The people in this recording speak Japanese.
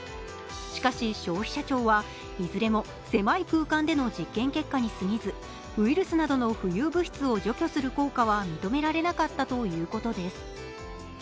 しかし消費者庁はいずれも狭い空間での実験結果に過ぎずウイルスなどの浮遊物質を除去する効果は認められなかったということです。